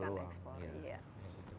harusnya ini menjadi peluang